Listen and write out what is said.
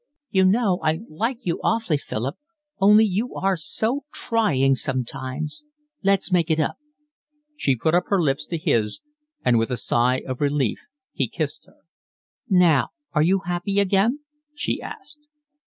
"You know I like you awfully, Philip. Only you are so trying sometimes. Let's make it up." She put up her lips to his, and with a sigh of relief he kissed her. "Now are you happy again?" she asked.